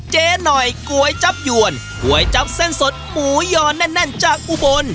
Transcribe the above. เจ๊หน่อยก๋วยจับยวนก๋วยจับเส้นสดหมูยอแน่นจากอุบล